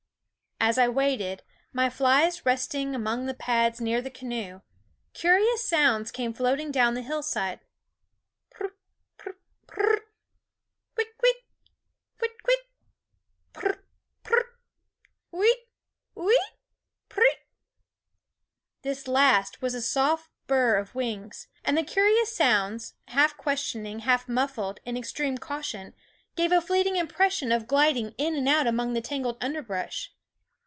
As I waited, my flies resting among the pads near the canoe, curious sounds came floating down the hillside Prut, prut, pr r r rt ! Whit kwit? whit kwit? Pr r rt, pr r rt! Ooo it, ooo it? Pr r reeee ! this last with a swift burr of wings. And the curious sounds, half questioning, half muffled in extreme caution, gave a fleeting impres sion of gliding in and out among the tan gled underbrush.